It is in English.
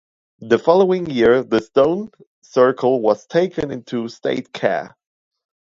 The following year the stone circle was 'taken in to state care'.